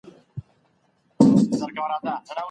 امیندواره میندي باید کله ډاکټر ته ولاړي سي؟